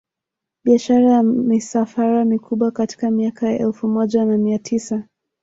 Biashara ya misafara mikubwa katika miaka ya elfu moja na mia tisa